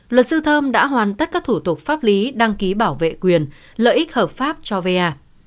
luật sư thơm đã hoàn tất các thủ tục pháp lý đăng ký bảo vệ quyền lợi ích hợp pháp cho vay